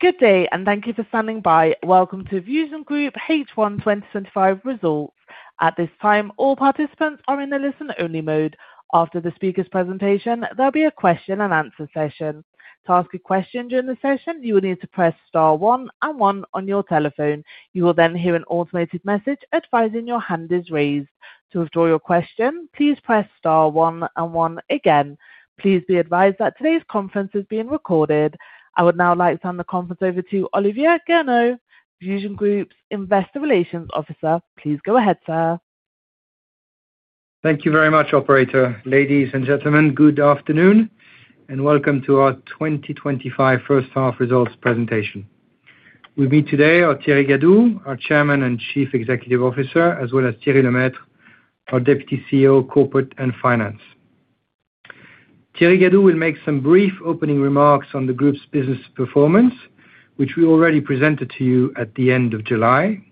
Good day and thank you for standing by. Welcome to VusionGroup H1 2025 Results. At this time, all participants are in the listen-only mode. After the speaker's presentation, there'll be a question and answer session. To ask a question during the session, you will need to press star one and one on your telephone. You will then hear an automated message advising your hand is raised. To withdraw your question, please press star one and one again. Please be advised that today's conference is being recorded. I would now like to turn the conference over to Olivier Gernandt, VusionGroup's Investor Relations Officer. Please go ahead, sir. Thank you very much, operator. Ladies and gentlemen, good afternoon and welcome to our 2025 first half results presentation. With me today are Thierry Gadou, our Chairman and Chief Executive Officer, as well as Thierry Lemaître, our Deputy CEO of Corporate and Finance. Thierry Gadou will make some brief opening remarks on the group's business performance, which we already presented to you at the end of July.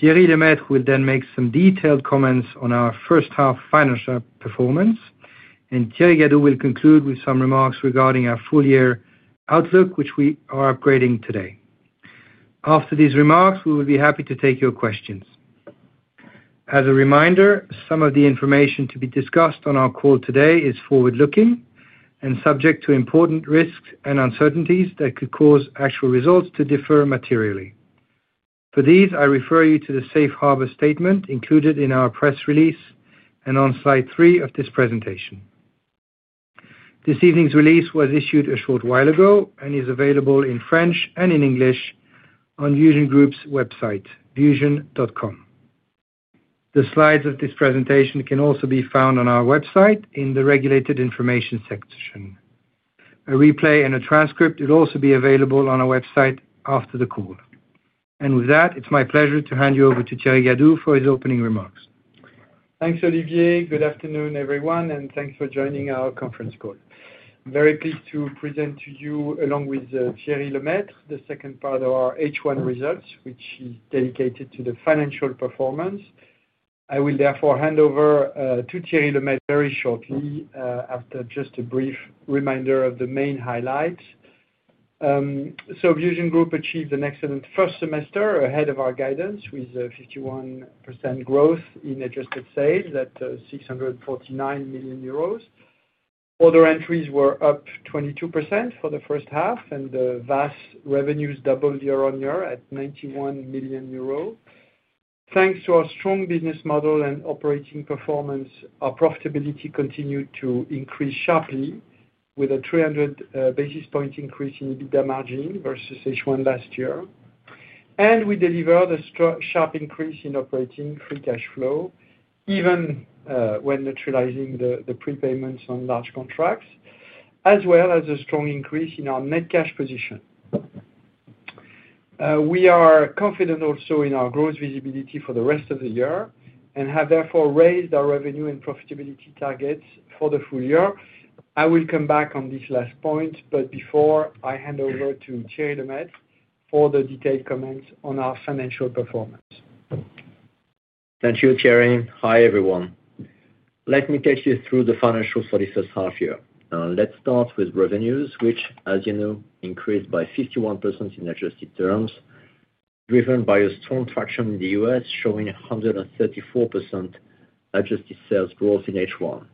Thierry Lemaître will then make some detailed comments on our first half financial performance, and Thierry Gadou will conclude with some remarks regarding our full-year outlook, which we are upgrading today. After these remarks, we will be happy to take your questions. As a reminder, some of the information to be discussed on our call today is forward-looking and subject to important risks and uncertainties that could cause actual results to differ materially. For these, I refer you to the safe harbor statement included in our press release and on slide three of this presentation. This evening's release was issued a short while ago and is available in French and in English on VusionGroup's website, vusion.com. The slides of this presentation can also be found on our website in the regulated information section. A replay and a transcript will also be available on our website after the call. With that, it's my pleasure to hand you over to Thierry Gadou for his opening remarks. Thanks, Olivier. Good afternoon, everyone, and thanks for joining our conference call. I'm very pleased to present to you, along with Thierry Lemaître, the second part of our H1 results, which is dedicated to the financial performance. I will therefore hand over to Thierry Lemaître very shortly after just a brief reminder of the main highlights. VusionGroup achieved an excellent first semester ahead of our guidance with a 51% growth in adjusted sales at €649 million. Order entries were up 22% for the first half, and the VAS revenues doubled year on year at €91 million. Thanks to our strong business model and operating performance, our profitability continued to increase sharply with a 300 basis point increase in EBITDA margin versus H1 last year. We delivered a sharp increase in operating free cash flow, even when neutralizing the prepayments on large contracts, as well as a strong increase in our net cash position. We are confident also in our growth visibility for the rest of the year and have therefore raised our revenue and profitability targets for the full year. I will come back on this last point before I hand over to Thierry Lemaître for the detailed comments on our financial performance. Thank you, Thierry. Hi, everyone. Let me take you through the financials for the first half year. Let's start with revenues, which, as you know, increased by 51% in adjusted terms, driven by a strong traction in the U.S., showing 134% adjusted sales growth in H1.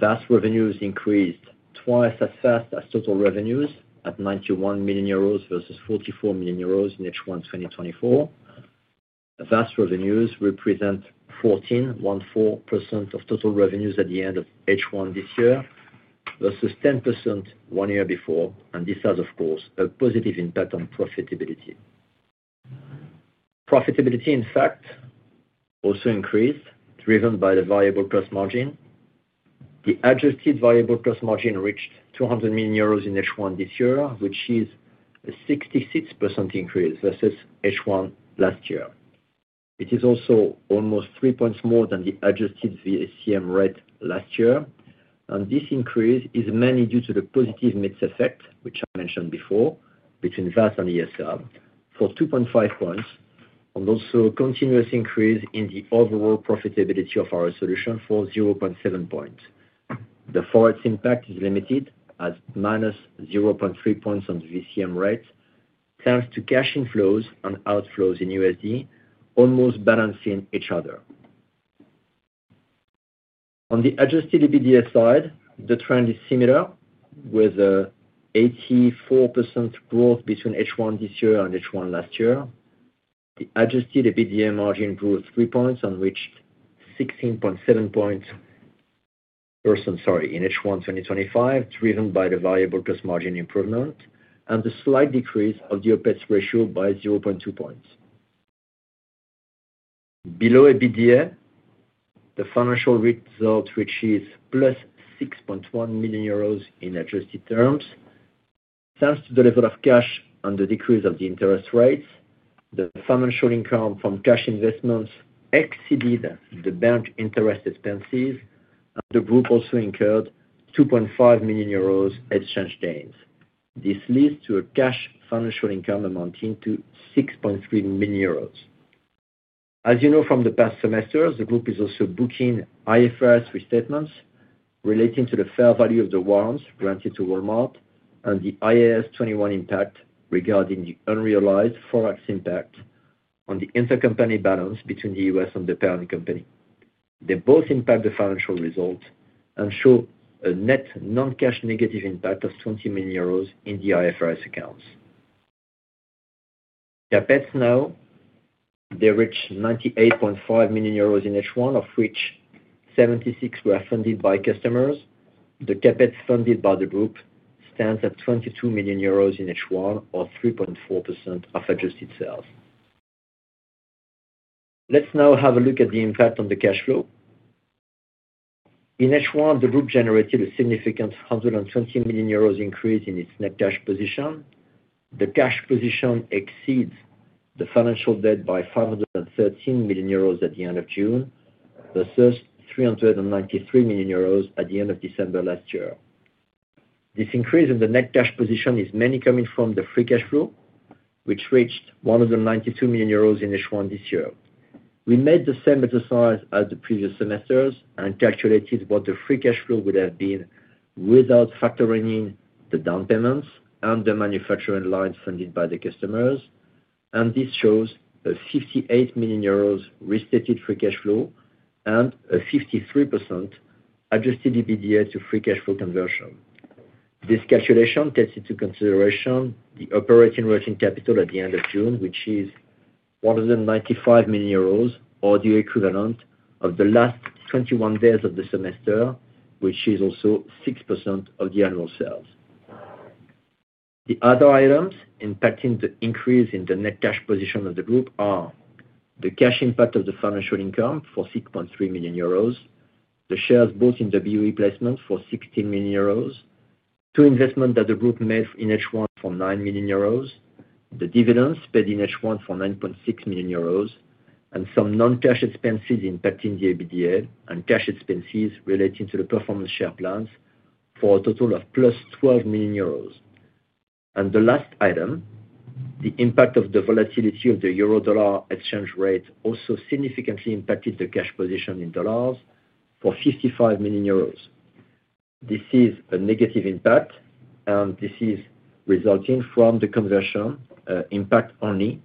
VAS revenues increased twice as fast as total revenues at €91 million versus €44 million in H1 2024. VAS revenues represent 14.14% of total revenues at the end of H1 this year versus 10% one year before, and this has, of course, a positive impact on profitability. Profitability, in fact, also increased, driven by the variable cost margin. The adjusted variable cost margin reached €200 million in H1 this year, which is a 66% increase versus H1 last year. It is also almost three points more than the adjusted VACM rate last year. This increase is mainly due to the positive mix effect, which I mentioned before, between VAS and ESL, for 2.5 points, and also a continuous increase in the overall profitability of our solution for 0.7 points. The forex impact is limited at minus 0.3 points on the VCM rate, thanks to cash inflows and outflows in USD, almost balancing each other. On the adjusted EBITDA side, the trend is similar, with an 84% growth between H1 this year and H1 last year. The adjusted EBITDA margin grew three points and reached 16.7 points, sorry, in H1 2025, driven by the variable cost margin improvement and the slight decrease of the OpEx ratio by 0.2 points. Below EBITDA, the financial results reached plus €6.1 million in adjusted terms. Thanks to the level of cash and the decrease of the interest rates, the financial income from cash investments exceeded the bank interest expenses, and the group also incurred €2.5 million exchange gains. This leads to a cash financial income amounting to €6.3 million. As you know from the past semester, the group is also booking IFRS restatements relating to the fair value of the warrants granted to Walmart and the IAS 21 impact regarding the unrealized forex impact on the intercompany balance between the U.S. and the parent company. They both impact the financial result and show a net non-cash negative impact of €20 million in the IFRS accounts. CapEx now, they reach €98.5 million in H1, of which €76 million were funded by customers. The CapEx funded by the group stands at €22 million in H1, or 3.4% of adjusted sales. Let's now have a look at the impact on the cash flow. In H1, the group generated a significant €120 million increase in its net cash position. The cash position exceeds the financial debt by €513 million at the end of June versus €393 million at the end of December last year. This increase in the net cash position is mainly coming from the free cash flow, which reached €192 million in H1 this year. We made the same exercise as the previous semesters and calculated what the free cash flow would have been without factoring in the down payments and the manufacturing lines funded by the customers. This shows a €58 million restated free cash flow and a 53% adjusted EBITDA to free cash flow conversion. This calculation takes into consideration the operating routing capital at the end of June, which is €195 million, or the equivalent of the last 21 days of the semester, which is also 6% of the annual sales. The other items impacting the increase in the net cash position of the group are the cash impact of the financial income for €6.3 million, the shares bought in the BU placement for €16 million, two investments that the group made in H1 for €9 million, the dividends paid in H1 for €9.6 million, and some non-cash expenses impacting the EBITDA and cash expenses relating to the performance share plans for a total of plus €12 million. The last item, the impact of the volatility of the euro-dollar exchange rate, also significantly impacted the cash position in dollars for €55 million. This is a negative impact, and this is resulting from the conversion impact only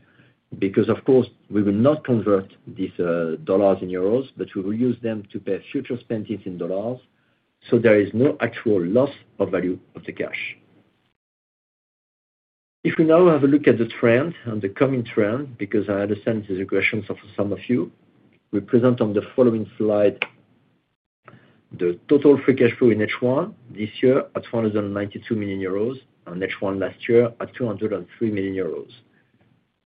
because, of course, we will not convert these dollars and euros, but we will use them to pay future spendings in dollars, so there is no actual loss of value of the cash. If we now have a look at the trend and the coming trend, because I understand these questions of some of you, we present on the following slide the total free cash flow in H1 this year at €192 million and H1 last year at €203 million.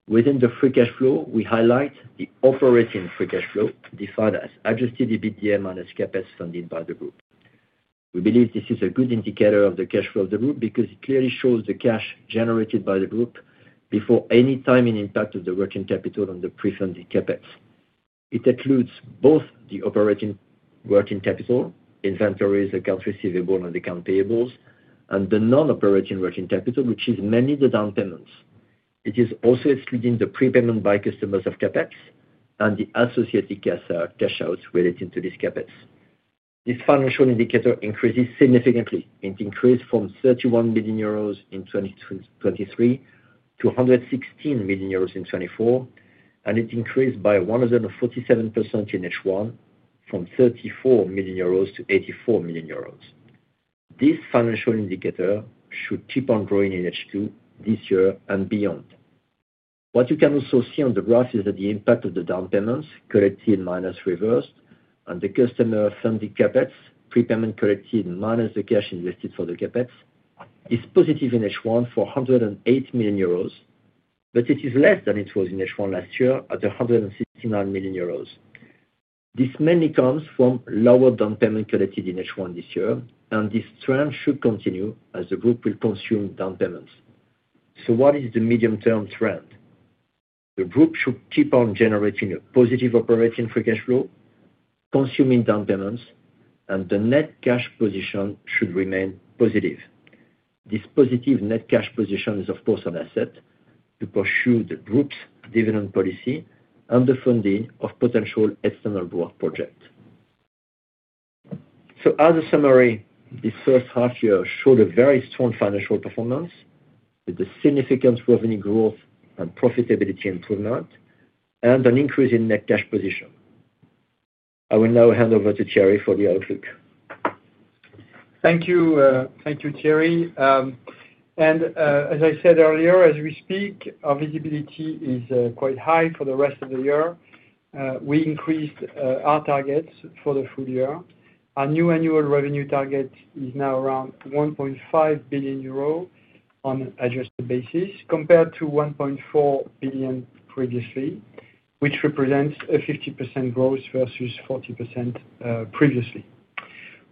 Within the free cash flow, we highlight the operating free cash flow defined as adjusted EBITDA minus capex funded by the group. We believe this is a good indicator of the cash flow of the group because it clearly shows the cash generated by the group before any time in impact of the routing capital on the pre-funded capex. It includes both the operating working capital, inventories, accounts receivable, and accounts payable, and the non-operating working capital, which is mainly the down payments. It is also excluding the prepayment by customers of CapEx and the associated cash outs relating to this CapEx. This financial indicator increases significantly. It increased from €31 million in 2023 to €116 million in 2024, and it increased by 147% in H1 from €34 million to €84 million. This financial indicator should keep on growing in H2 this year and beyond. What you can also see on the graph is that the impact of the down payments collected minus reversed and the customer-funded CapEx prepayment collected minus the cash invested for the CapEx is positive in H1 for €108 million, but it is less than it was in H1 last year at €169 million. This mainly comes from lower down payment collected in H1 this year, and this trend should continue as the group will consume down payments. What is the medium-term trend? The group should keep on generating a positive operating free cash flow, consuming down payments, and the net cash position should remain positive. This positive net cash position is, of course, an asset to pursue the group's dividend policy and the funding of potential external work projects. As a summary, this first half year showed a very strong financial performance with significant revenue growth and profitability improvement and an increase in net cash position. I will now hand over to Thierry for the outlook. Thank you, Thierry. As I said earlier, as we speak, our visibility is quite high for the rest of the year. We increased our targets for the full year. Our new annual revenue target is now around €1.5 billion on an adjusted basis compared to €1.4 billion previously, which represents a 50% growth versus 40% previously.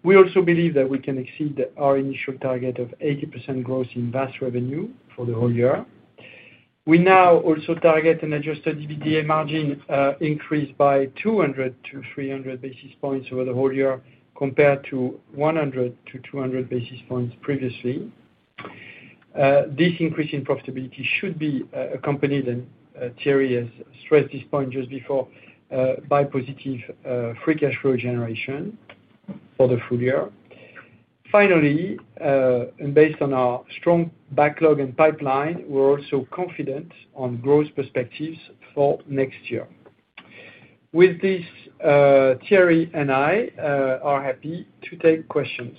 We also believe that we can exceed our initial target of 80% growth in VAS revenue for the whole year. We now also target an adjusted EBITDA margin increase by 200 to 300 basis points over the whole year compared to 100 to 200 basis points previously. This increase in profitability should be accompanied, and Thierry has stressed this point just before, by positive free cash flow generation for the full year. Finally, based on our strong backlog and pipeline, we're also confident on growth perspectives for next year. With this, Thierry and I are happy to take questions.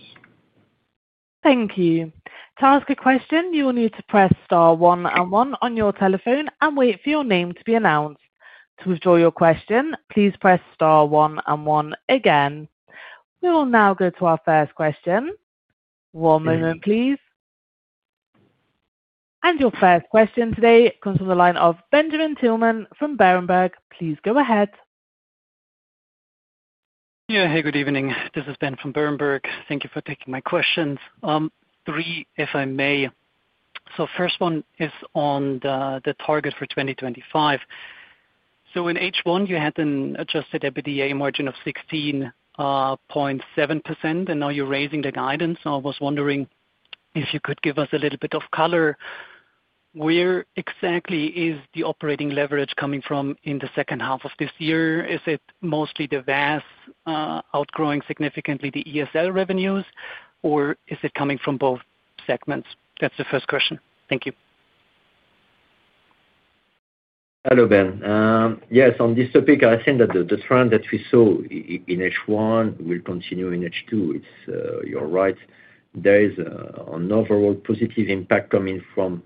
Thank you. To ask a question, you will need to press star one and one on your telephone and wait for your name to be announced. To withdraw your question, please press star one and one again. We will now go to our first question. One moment, please. Your first question today comes from the line of Benjamin Tillman from Berenberg. Please go ahead. Yeah, hey, good evening. This is Ben from Berenberg. Thank you for taking my questions. Three, if I may. The first one is on the target for 2025. In H1, you had an adjusted EBITDA margin of 16.7%, and now you're raising the guidance. I was wondering if you could give us a little bit of color. Where exactly is the operating leverage coming from in the second half of this year? Is it mostly the value-added services outgrowing significantly the electronic shelf label revenues, or is it coming from both segments? That's the first question. Thank you. Hello, Ben. Yes, on this topic, I think that the trend that we saw in H1 will continue in H2. You're right. There is an overall positive impact coming from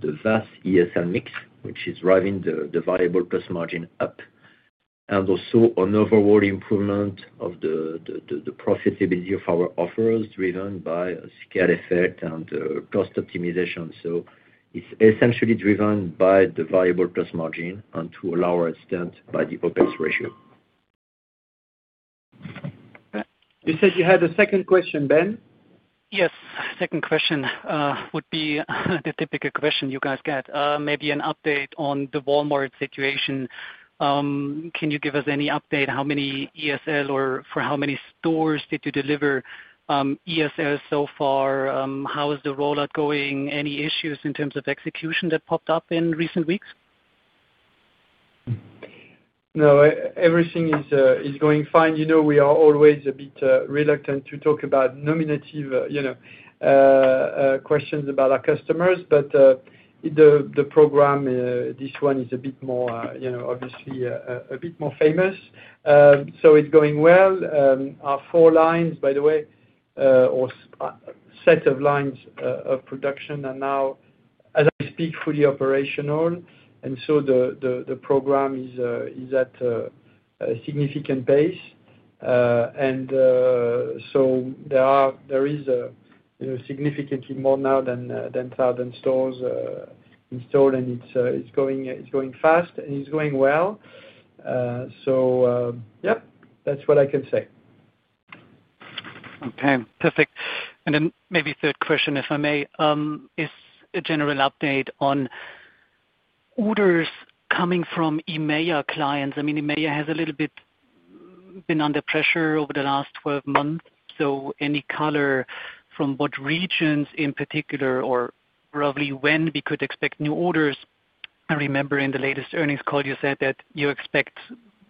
the VAS ESL mix, which is driving the variable cost margin up. There is also an overall improvement of the profitability of our offers, driven by scale effect and cost optimization. It is essentially driven by the variable cost margin and to a lower extent by the OpEx ratio. You said you had a second question, Ben? Yes, second question would be the typical question you guys get. Maybe an update on the Walmart situation. Can you give us any update? How many ESL or for how many stores did you deliver ESL so far? How is the rollout going? Any issues in terms of execution that popped up in recent weeks? No, everything is going fine. We are always a bit reluctant to talk about nominative questions about our customers, but the program, this one is a bit more, obviously a bit more famous. It's going well. Our four lines, by the way, or a set of lines of production, are now, as we speak, fully operational. The program is at a significant pace. There is significantly more now than 1,000 stores installed, and it's going fast, and it's going well. That's what I can say. Okay, perfect. Maybe third question, if I may, is a general update on orders coming from EMEA clients. EMEA has a little bit been under pressure over the last 12 months. Any color from what regions in particular or probably when we could expect new orders? I remember in the latest earnings call, you said that you expect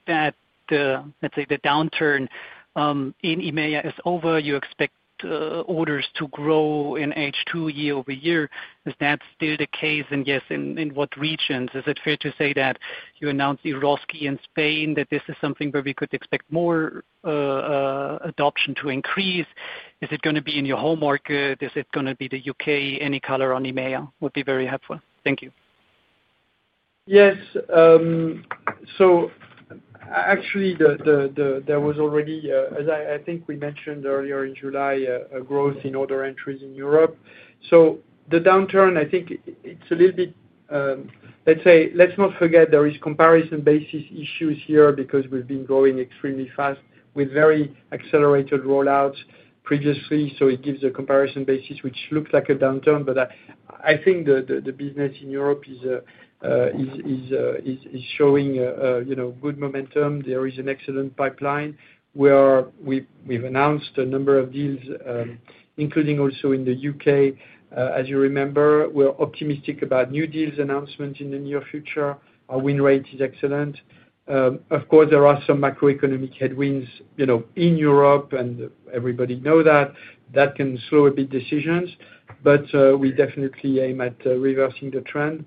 that the, let's say, the downturn in EMEA is over. You expect orders to grow in H2 year over year. Is that still the case? In what regions? Is it fair to say that you announced in Roski in Spain that this is something where we could expect more adoption to increase? Is it going to be in your home market? Is it going to be the UK? Any color on EMEA would be very helpful. Thank you. Yes. Actually, there was already, as I think we mentioned earlier in July, a growth in order entries in Europe. The downturn, I think, is a little bit, let's say, let's not forget there are comparison basis issues here because we've been growing extremely fast with very accelerated rollouts previously. It gives a comparison basis which looks like a downturn, but I think the business in Europe is showing good momentum. There is an excellent pipeline where we've announced a number of deals, including also in the UK. As you remember, we're optimistic about new deals announcements in the near future. Our win rate is excellent. Of course, there are some macroeconomic headwinds in Europe, and everybody knows that can slow a bit decisions. We definitely aim at reversing the trend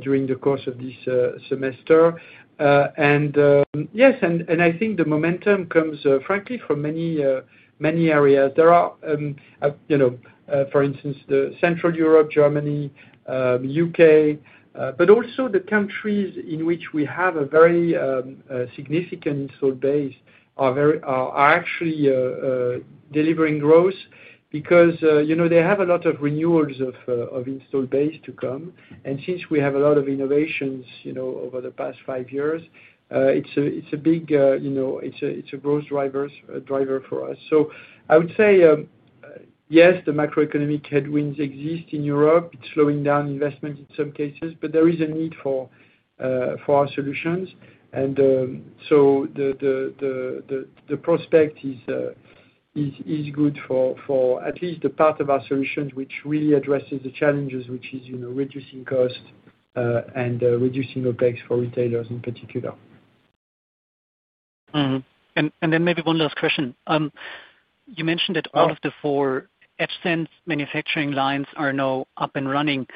during the course of this semester. I think the momentum comes, frankly, from many areas. There are, for instance, Central Europe, Germany, UK, but also the countries in which we have a very significant installed base are actually delivering growth because they have a lot of renewals of installed base to come. Since we have a lot of innovations over the past five years, it's a big growth driver for us. I would say, yes, the macroeconomic headwinds exist in Europe. It's slowing down investments in some cases, but there is a need for our solutions. The prospect is good for at least the part of our solutions which really addresses the challenges, which is reducing cost and reducing OpEx for retailers in particular. Maybe one last question. You mentioned that all of the four Epson manufacturing lines are now up and running.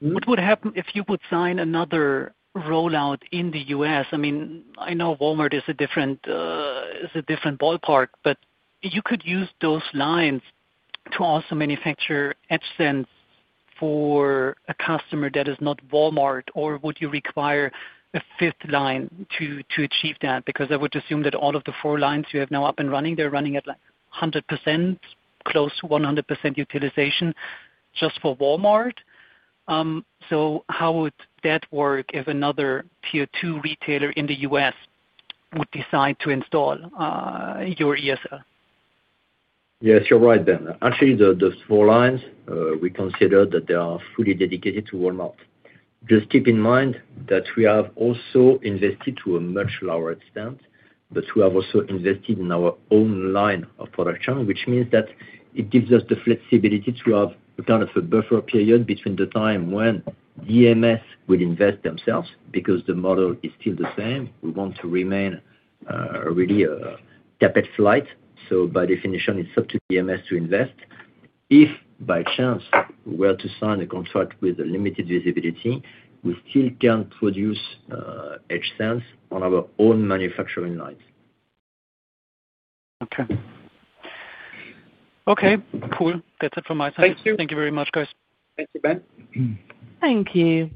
What would happen if you would sign another rollout in the U.S.? I know Walmart is a different ballpark, but you could use those lines to also manufacture Epson for a customer that is not Walmart, or would you require a fifth line to achieve that? I would assume that all of the four lines you have now up and running, they're running at 100%, close to 100% utilization just for Walmart. How would that work if another tier two retailer in the U.S. would decide to install your ESL? Yes, you're right, Ben. Actually, the four lines, we consider that they are fully dedicated to Walmart. Just keep in mind that we have also invested to a much lower extent, but we have also invested in our own line of production, which means that it gives us the flexibility to have a kind of a buffer period between the time when EMS will invest themselves because the model is still the same. We want to remain really a CapEx light. By definition, it's up to EMS to invest. If by chance we were to sign a contract with a limited visibility, we still can produce Epsons on our own manufacturing lines. Okay, cool. That's it from my side. Thank you very much, guys. Thank you, Ben. Thank you.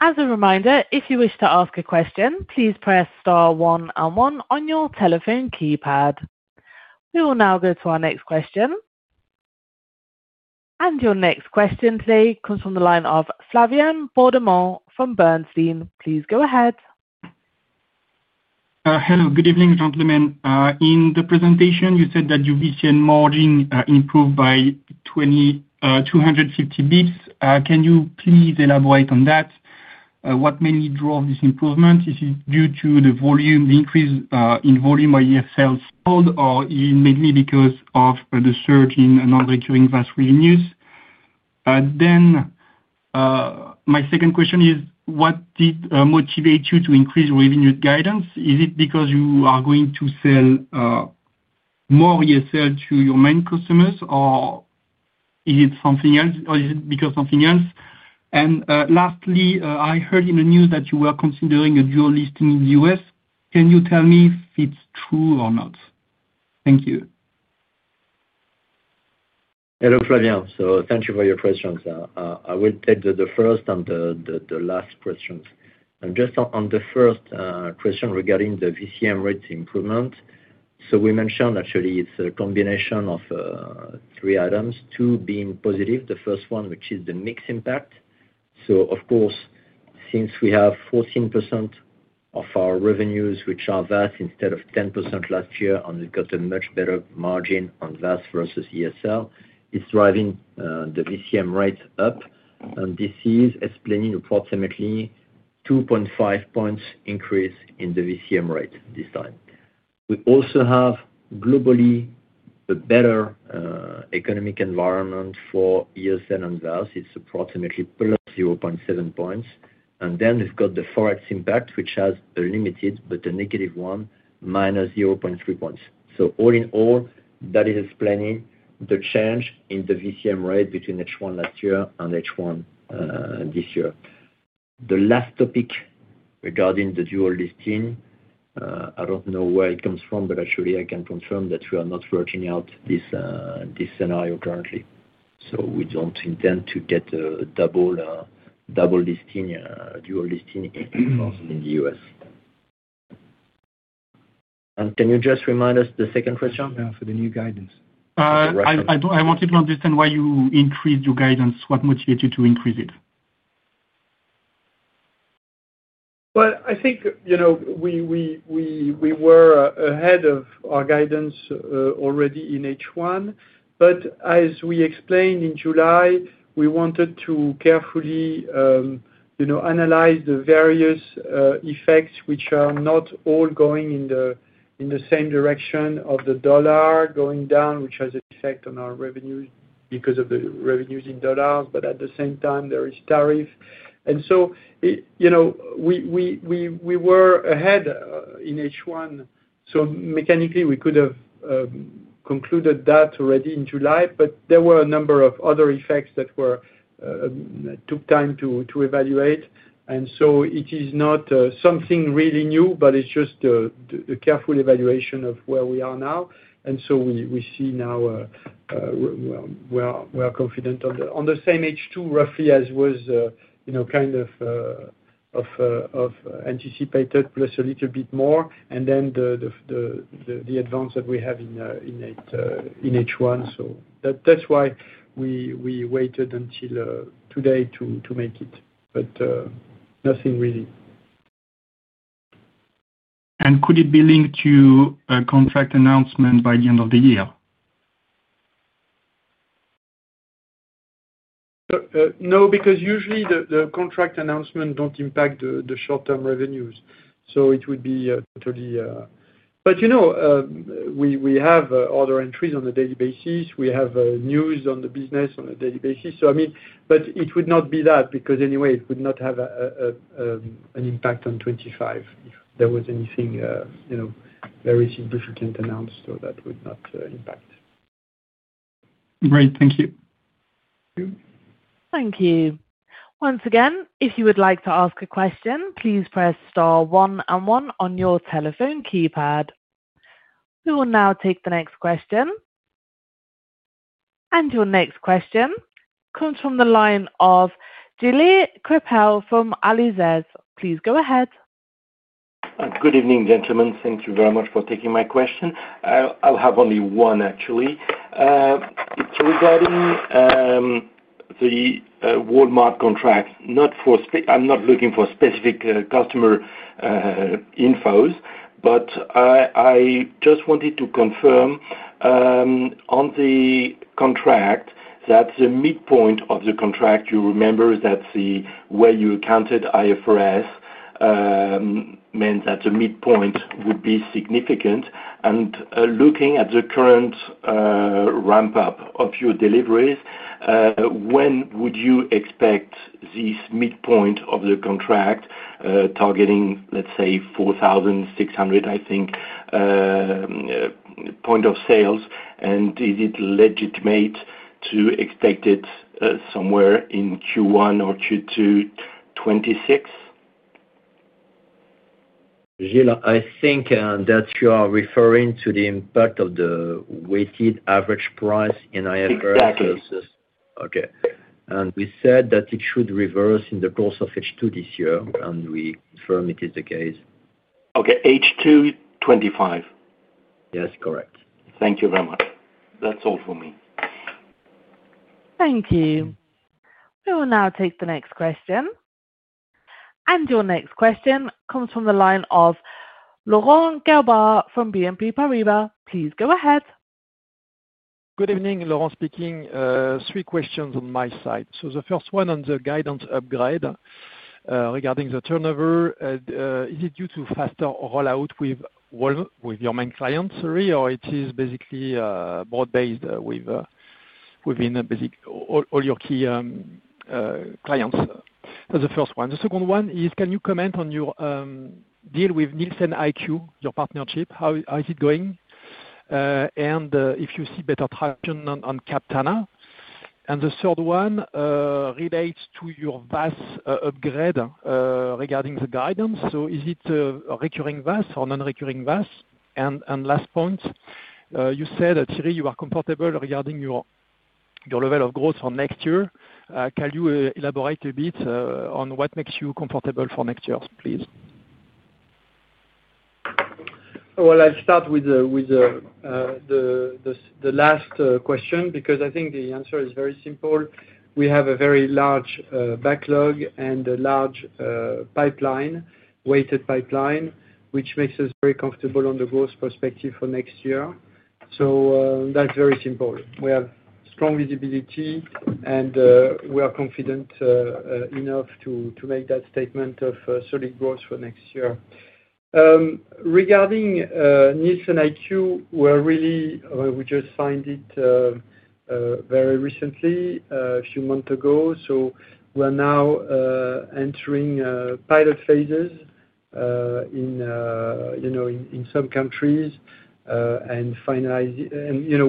As a reminder, if you wish to ask a question, please press star one and one on your telephone keypad. We will now go to our next question. Your next question today comes from the line of Flavien Bordeemont from Bernstein. Please go ahead. Hello. Good evening, gentlemen. In the presentation, you said that your VCM margin improved by 250 bps. Can you please elaborate on that? What mainly drove this improvement? Is it due to the volume, the increase in volume by ESLs? Is it mainly because of the surge in non-recurring VAS revenues? My second question is, what did motivate you to increase your revenue guidance? Is it because you are going to sell more ESL to your main customers, or is it something else? Is it because of something else? Lastly, I heard in the news that you were considering a dual listing in the US. Can you tell me if it's true or not? Thank you. Hello, Flavien. Thank you for your questions. I will take the first and the last questions. On the first question regarding the VCM rates improvement, we mentioned actually it's a combination of three items, two being positive. The first one is the mix impact. Since we have 14% of our revenues, which are value-added services instead of 10% last year, and we've got a much better margin on value-added services versus electronic shelf labels, it's driving the VCM rates up. This is explaining approximately 2.5 points increase in the VCM rate this time. We also have globally a better economic environment for electronic shelf labels and value-added services. It's approximately plus 0.7 points. We've got the forex impact, which has a limited but negative one, minus 0.3 points. All in all, that is explaining the change in the VCM rate between H1 last year and H1 this year. The last topic regarding the dual listing, I don't know where it comes from, but actually, I can confirm that we are not working out this scenario currently. We don't intend to get a double listing, dual listing in Walmart in the U.S. Can you just remind us the second question? For the new guidance, I wanted to understand why you increased your guidance. What motivated you to increase it? I think, you know, we were ahead of our guidance already in H1. As we explained in July, we wanted to carefully, you know, analyze the various effects, which are not all going in the same direction of the dollar going down, which has an effect on our revenues because of the revenues in dollars. At the same time, there is tariff. You know, we were ahead in H1. Mechanically, we could have concluded that already in July, but there were a number of other effects that took time to evaluate. It is not something really new, but it's just a careful evaluation of where we are now. We see now we are confident on the same H2, roughly as was, you know, kind of anticipated, plus a little bit more, and then the advance that we have in H1. That's why we waited until today to make it. Nothing really. Could it be linked to a contract announcement by the end of the year? No, because usually the contract announcements don't impact the short-term revenues. It would be totally... You know, we have other entries on a daily basis. We have news on the business on a daily basis. I mean, it would not be that because anyway, it would not have an impact on 2025. If there was anything very significant announced, that would not impact. Great. Thank you. Thank you. Once again, if you would like to ask a question, please press star one and one on your telephone keypad. We will now take the next question. Your next question comes from the line of Dilir Coppel from Alizez. Please go ahead. Good evening, gentlemen. Thank you very much for taking my question. I'll have only one, actually. It's regarding the Walmart contracts. I'm not looking for specific customer infos, but I just wanted to confirm on the contract that the midpoint of the contract, you remember that where you accounted IFRS meant that the midpoint would be significant. Looking at the current ramp-up of your deliveries, when would you expect this midpoint of the contract targeting, let's say, 4,600, I think, point of sales? Is it legitimate to expect it somewhere in Q1 or Q2 2026? Gill, I think that you are referring to the impact of the weighted average price in IFRS. Exactly. Okay. We said that it should reverse in the course of H2 this year, and we confirm it is the case. Okay. H2 2025? Yes, correct. Thank you very much. That's all for me. Thank you. We will now take the next question. Your next question comes from the line of Laurent Gerbaud from BNP Paribas. Please go ahead. Good evening, Laurent speaking. Three questions on my side. The first one on the guidance upgrade regarding the turnover. Is it due to faster rollout with your main clients, or is it basically broad-based within basically all your key clients? That's the first one. The second one is, can you comment on your deal with NielsenIQ, your partnership? How is it going? If you see better traction on Captana. The third one relates to your VAS upgrade regarding the guidance. Is it a recurring VAS or non-recurring VAS? Last point, you said that, Thierry, you are comfortable regarding your level of growth for next year. Can you elaborate a bit on what makes you comfortable for next year, please? I'll start with the last question because I think the answer is very simple. We have a very large backlog and a large pipeline, weighted pipeline, which makes us very comfortable on the growth perspective for next year. That's very simple. We have strong visibility, and we are confident enough to make that statement of solid growth for next year. Regarding NielsenIQ, we just signed it very recently, a few months ago. We're now entering pilot phases in some countries and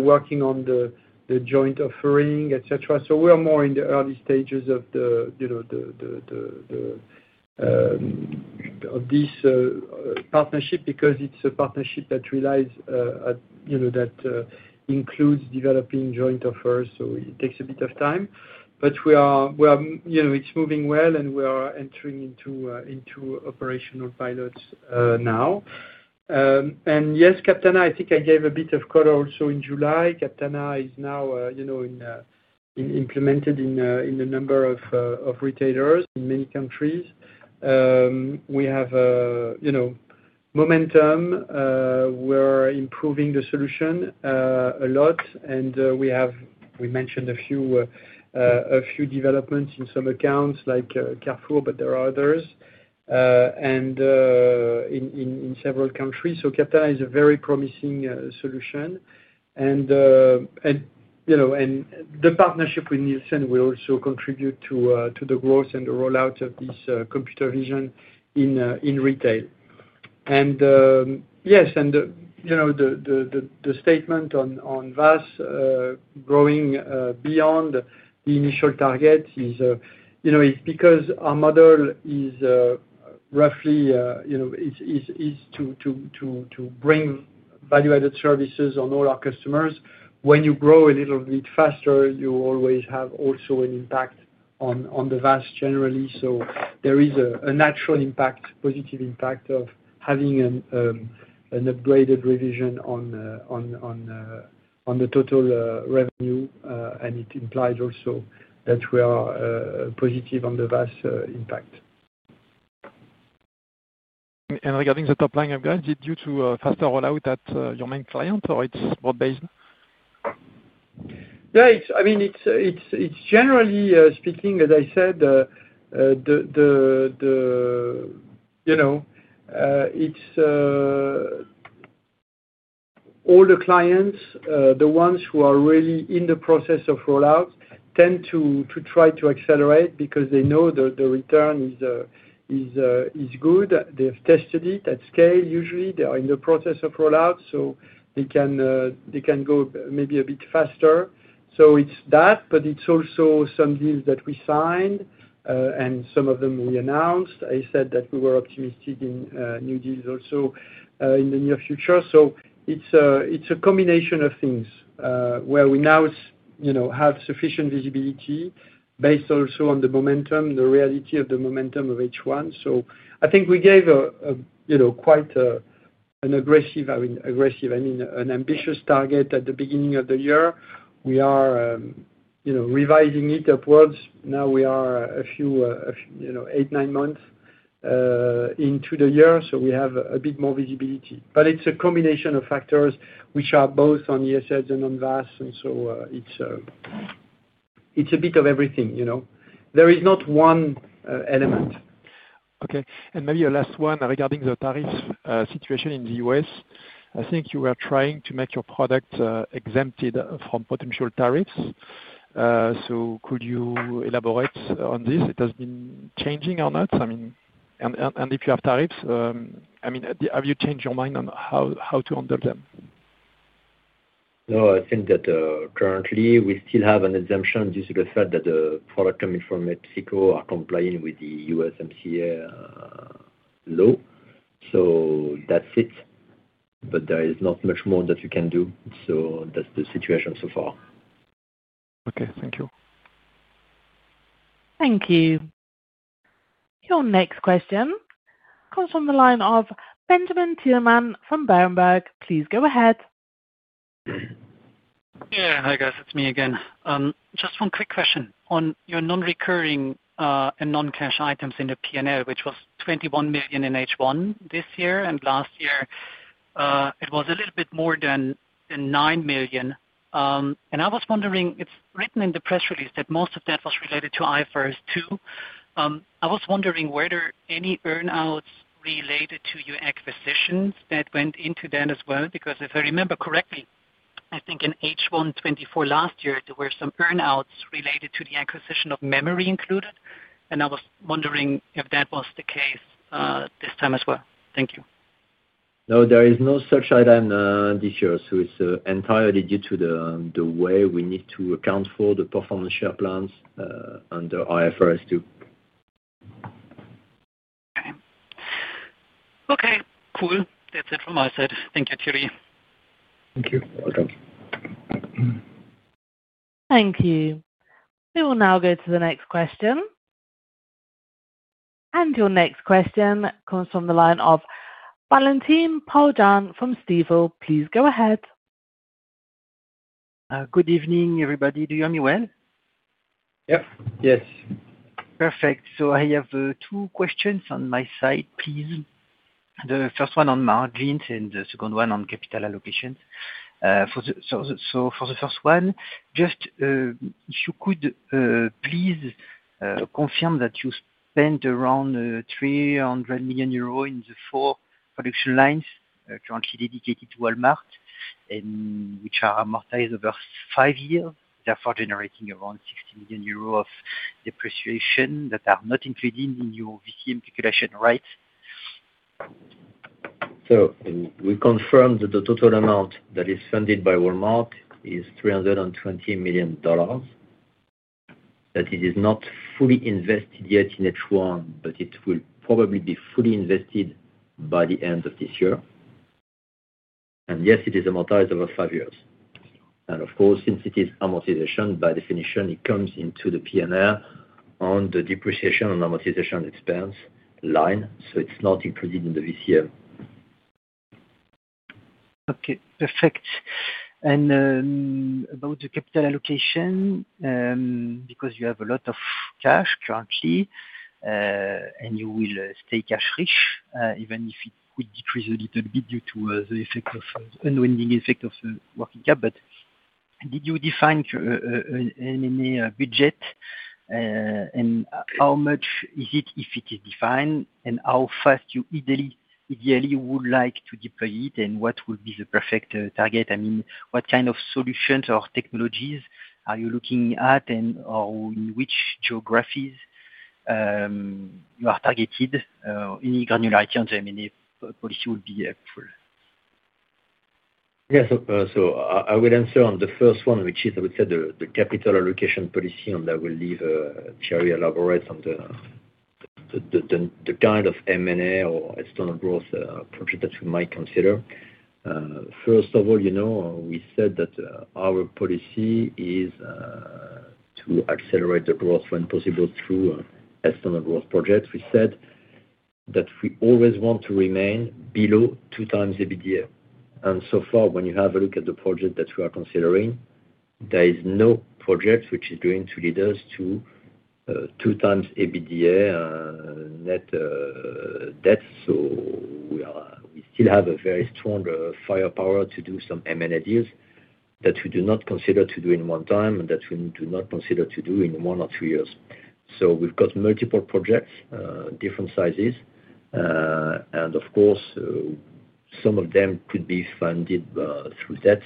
working on the joint offering, etc. We're more in the early stages of this partnership because it's a partnership that includes developing joint offers. It takes a bit of time. We are, you know, it's moving well, and we are entering into operational pilots now. Yes, Captana, I think I gave a bit of color also in July. Captana is now, you know, implemented in a number of retailers in many countries. We have, you know, momentum. We're improving the solution a lot. We mentioned a few developments in some accounts like Carrefour, but there are others and in several countries. Captana is a very promising solution. The partnership with NielsenIQ will also contribute to the growth and the rollout of this computer vision in retail. The statement on value-added services growing beyond the initial target is, you know, it's because our model is roughly, you know, is to bring value-added services on all our customers. When you grow a little bit faster, you always have also an impact on the value-added services generally. There is a natural impact, positive impact of having an upgraded revision on the total revenue. It implies also that we are positive on the value-added services impact. Regarding the top line of guidance, is it due to a faster rollout at your main client or it's broad-based? Yeah, I mean, it's generally speaking, as I said, it's all the clients, the ones who are really in the process of rollout tend to try to accelerate because they know the return is good. They've tested it at scale. Usually, they are in the process of rollout, so they can go maybe a bit faster. It's that, but it's also some deals that we signed and some of them we announced. I said that we were optimistic in new deals also in the near future. It's a combination of things where we now have sufficient visibility based also on the momentum, the reality of the momentum of H1. I think we gave a quite an aggressive, I mean, an ambitious target at the beginning of the year. We are revising it upwards. Now we are a few, eight, nine months into the year, so we have a bit more visibility. It's a combination of factors which are both on ESLs and on VAS, and it's a bit of everything. There is not one element. Okay. Maybe a last one regarding the tariff situation in the U.S. I think you were trying to make your product exempted from potential tariffs. Could you elaborate on this? Has it been changing or not? If you have tariffs, have you changed your mind on how to handle them? I think that currently, we still have an exemption due to the fact that the product coming from Mexico is complying with the USMCA law. That's it. There is not much more that you can do. That's the situation so far. Okay. Thank you. Thank you. Your next question comes from the line of Benjamin Tillman from Berenberg. Please go ahead. Yeah, hi guys. It's me again. Just one quick question. On your non-recurring and non-cash items in the P&L, which was €21 million in H1 this year and last year, it was a little bit more than €9 million. I was wondering, it's written in the press release that most of that was related to IFRS 2. I was wondering, were there any earnouts related to your acquisitions that went into that as well? If I remember correctly, I think in H1 2023 last year, there were some earnouts related to the acquisition of Memory included. I was wondering if that was the case this time as well. Thank you. No, there is no such item this year. It's entirely due to the way we need to account for the performance share plans under IFRS 2. Cool. That's it from my side. Thank you, Thierry. Thank you. You're welcome. Thank you. We will now go to the next question. Your next question comes from the line of Valentine Paul-Jean from Stifel. Please go ahead. Good evening, everybody. Do you hear me well? Yeah. Yes. Perfect. I have two questions on my side, please. The first one on margins and the second one on capital allocations. For the first one, just if you could please confirm that you spent around €300 million in the four production lines currently dedicated to Walmart, which are amortized over five years, therefore generating around €60 million of depreciation that are not included in your VCM calculation, right? We confirmed that the total amount that is funded by Walmart is $320 million. It is not fully invested yet in H1, but it will probably be fully invested by the end of this year. Yes, it is amortized over five years. Of course, since it is amortization, by definition, it comes into the P&L on the depreciation and amortization expense line. It is not included in the VCM. Okay. Perfect. About the capital allocation, because you have a lot of cash currently, and you will stay cash-rich, even if it could decrease a little bit due to the unwinding effect of the working cap. Did you define any budget? How much is it if it is defined? How fast you ideally would like to deploy it? What would be the perfect target? I mean, what kind of solutions or technologies are you looking at? In which geographies you are targeted? Any granularity on the M&A policy would be helpful. Yeah. I will answer on the first one, which is, I would say, the capital allocation policy. I will leave Thierry elaborate on the kind of M&A or external growth project that we might consider. First of all, you know, we said that our policy is to accelerate the growth when possible through external growth projects. We said that we always want to remain below two times EBITDA. So far, when you have a look at the project that we are considering, there is no project which is going to lead us to two times EBITDA net debt. We still have a very strong firepower to do some M&A deals that we do not consider to do in one time and that we do not consider to do in one or two years. We've got multiple projects, different sizes. Of course, some of them could be funded through debt.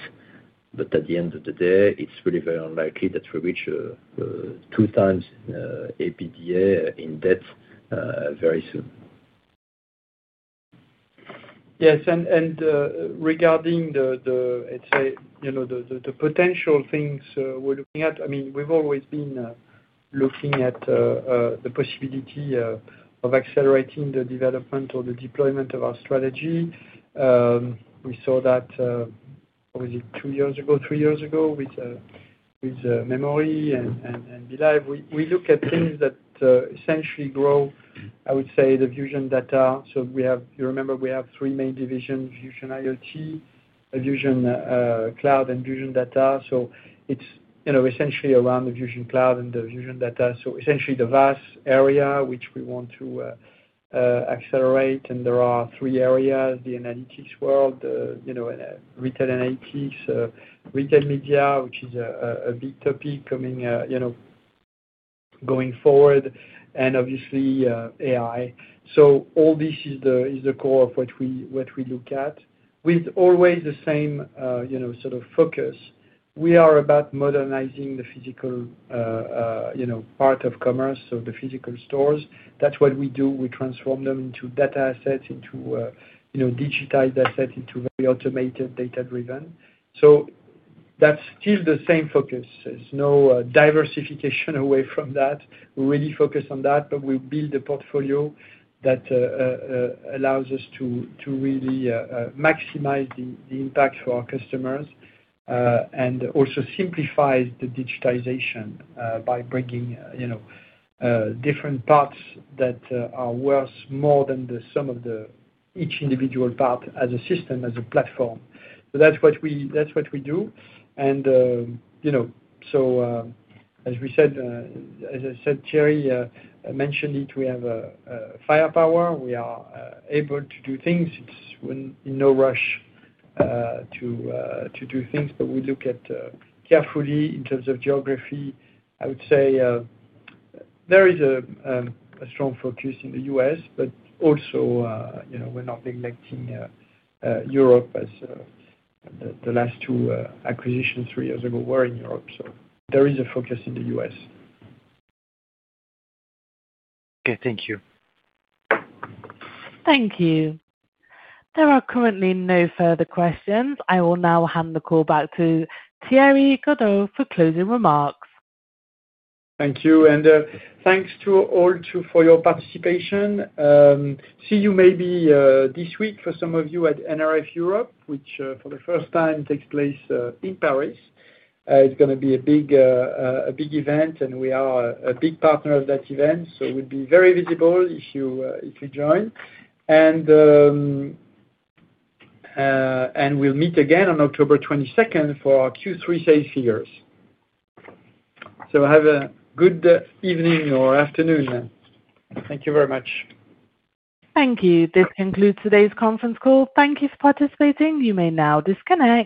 At the end of the day, it's really very unlikely that we reach two times EBITDA in debt very soon. Yes. Regarding the, let's say, you know, the potential things we're looking at, we've always been looking at the possibility of accelerating the development or the deployment of our strategy. We saw that, obviously, two years ago, three years ago with memory and BLIVE. We look at things that essentially grow, I would say, the Fusion Data. You remember, we have three main divisions: Fusion IoT, Fusion Cloud, and Fusion Data. It's essentially around the Fusion Cloud and the Fusion Data. Essentially, the value-added services area, which we want to accelerate. There are three areas: the analytics world, you know, and retail analytics, retail media, which is a big topic coming, you know, going forward, and obviously, AI. All this is the core of what we look at with always the same, you know, sort of focus. We are about modernizing the physical, you know, part of commerce, so the physical stores. That's what we do. We transform them into data assets, into, you know, digitized assets, into very automated, data-driven. That's still the same focus. There's no diversification away from that. We really focus on that, but we build a portfolio that allows us to really maximize the impact for our customers and also simplify the digitization by bringing, you know, different parts that are worth more than the sum of each individual part as a system, as a platform. That's what we do. As we said, as I said, Thierry mentioned it, we have a firepower. We are able to do things. It's in no rush to do things, but we look at carefully in terms of geography. I would say there is a strong focus in the U.S., but also, you know, we're not neglecting Europe as the last two acquisitions three years ago were in Europe. There is a focus in the U.S. Okay. Thank you. Thank you. There are currently no further questions. I will now hand the call back to Thierry Gadou for closing remarks. Thank you. Thanks to all, too, for your participation. See you maybe this week for some of you at NRF Europe, which for the first time takes place in Paris. It's going to be a big event, and we are a big partner of that event. It would be very visible if you join. We'll meet again on October 22nd for our Q3 sales figures. Have a good evening or afternoon. Thank you very much. Thank you. This concludes today's conference call. Thank you for participating. You may now disconnect.